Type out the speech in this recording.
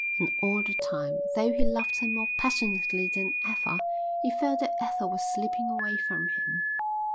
And all the time, though he loved her more passionately than ever, he felt that Ethel was slipping away from him.